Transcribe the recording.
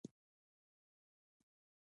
ټکنالوژي د ژوند ډېر کارونه اسانه کړي